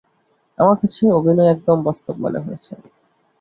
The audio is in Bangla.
আমার কাছে অভিনয় একদম বাস্তব মনে হয়েছে।